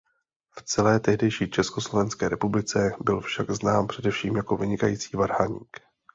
V celé tehdejší Československé republice byl však znám především jako vynikající varhaník.